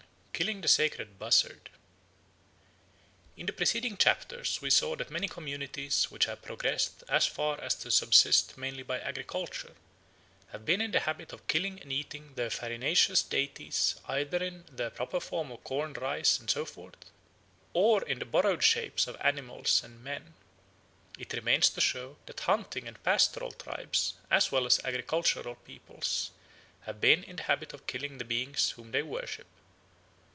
Killing the Sacred Buzzard IN THE PRECEDING chapters we saw that many communities which have progressed so far as to subsist mainly by agriculture have been in the habit of killing and eating their farinaceous deities either in their proper form of corn, rice, and so forth, or in the borrowed shapes of animals and men. It remains to show that hunting and pastoral tribes, as well as agricultural peoples, have been in the habit of killing the beings whom they worship.